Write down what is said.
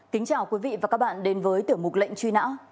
kính chào quý vị và các bạn đến với tiểu mục lệnh truy nã